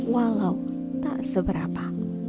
walau tak seberapa